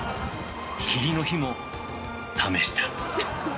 霧の日も試した。